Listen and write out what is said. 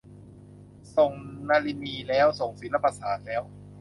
ส่งนลินีแล้ว ส่งศิลปศาสตร์แล้ว.